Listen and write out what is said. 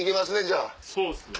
そうですね。